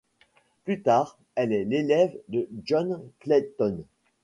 Plus tard, elle est l'élève de John Clayton.